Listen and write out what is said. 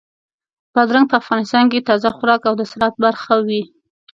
بادرنګ په افغانستان کې تازه خوراک او د سالاد برخه وي.